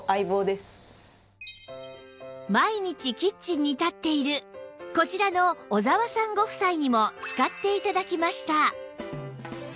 毎日キッチンに立っているこちらの小澤さんご夫妻にも使って頂きました